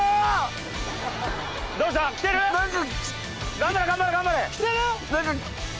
頑張れ頑張れ頑張れ！来てる？